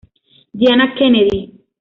Diana Kennedy.